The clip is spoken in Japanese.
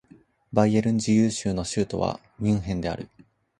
バイエルン自由州の州都はミュンヘンである